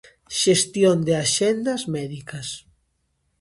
Xestión de axendas médicas.